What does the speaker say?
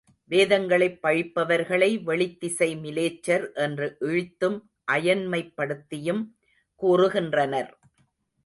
வேதங்களைப் பழிப்பவர்களை வெளித்திசை மிலேச்சர் என்று இழித்தும் அயன்மைப்படுத்தியும் கூறுகின்றார்.